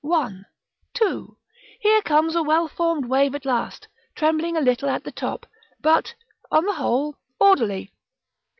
One, two: here comes a well formed wave at last, trembling a little at the top, but, on the whole, orderly.